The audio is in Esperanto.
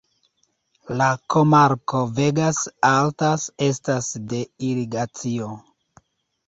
La komarko Vegas Altas estas de irigacio.